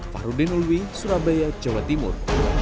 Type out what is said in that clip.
fahrudin ulwi surabaya jawa timur